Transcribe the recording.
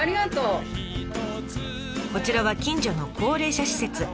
こちらは近所の高齢者施設。